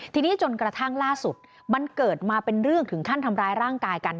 ทีนี้จนกระทั่งล่าสุดมันเกิดมาเป็นเรื่องถึงขั้นทำร้ายร่างกายกัน